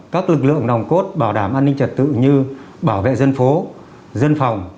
các lực lượng nòng cốt bảo đảm an ninh trật tự như bảo vệ dân phố dân phòng